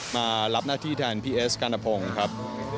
มารับหน้าที่แทนพี่เอสการณพงศ์ครับ